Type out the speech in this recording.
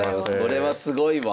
これはすごいわ。